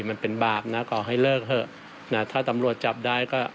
มันเป็นบาปนะขอให้เลิกเถอะนะถ้าตำรวจจับได้ก็